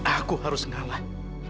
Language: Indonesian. aku harus mengalah